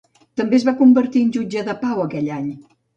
També es va convertir en jutge de pau aquell any.